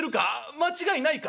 間違いないか？」。